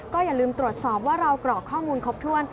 อย่าลืมตรวจสอบว่าเรากรอกข้อมูลครบถ้วน